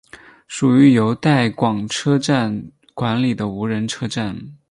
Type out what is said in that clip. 属于由带广车站管理的无人车站。